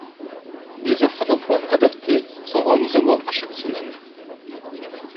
Des offres d’emploi adaptées sont remises aux membres chaque semaine.